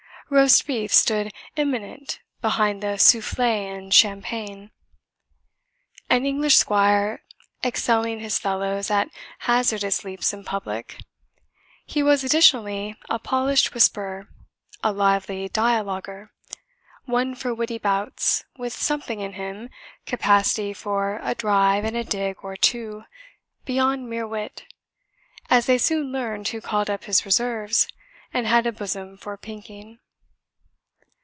Roast beef stood eminent behind the souffle and champagne. An English squire excelling his fellows at hazardous leaps in public, he was additionally a polished whisperer, a lively dialoguer, one for witty bouts, with something in him capacity for a drive and dig or two beyond mere wit, as they soon learned who called up his reserves, and had a bosom for pinking.